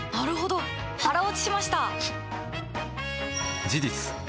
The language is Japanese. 腹落ちしました！